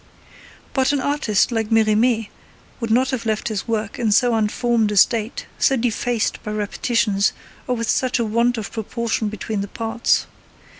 But an artist like Merimee would not have left his work in so unformed a state, so defaced by repetitions, or with such a want of proportion between the parts.